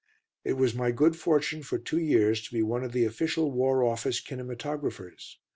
It was my good fortune for two years to be one of the Official War Office Kinematographers.